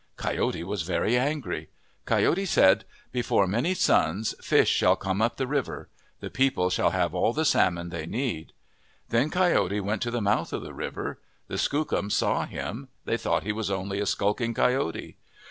Coyote was very angry. Coyote said, " Before many suns, fish shall come up the river. The people shall have all the salmon they need." Then Coyote went to the mouth of the river. The Skookums saw him. They thought he was only a skulking coyote.